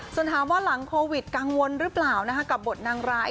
ส่วนถามว่าหลังโควิดกังวลหรือเปล่ากับบทนางร้าย